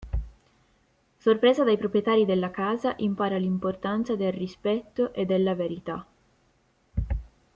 Sorpresa dai proprietari della casa, impara l'importanza dei rispetto e della verità.